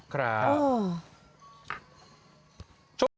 ครับ